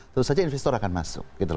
tentu saja investor akan masuk